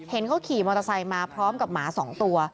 เห็นเขาขี่มอเตอร์ไซค์มาพร้อมกับหมา๒ตัว